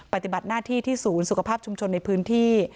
ปฏิบัติหน้าที่ที่ศูนย์สุขภาพชุมชนในพื้นที่